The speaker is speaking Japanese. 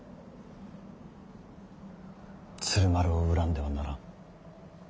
鶴丸を恨んではならん。